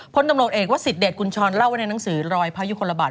พลตำรวจเอกวสิทเดชกุญชรเล่าไว้ในหนังสือรอยพระยุคลบาท